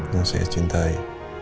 yang saya cintai